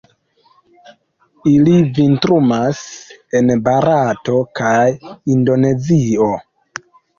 Ili vintrumas en Barato kaj Indonezio.